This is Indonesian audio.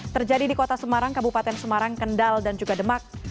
terjadi di kota semarang kabupaten semarang kendal dan juga demak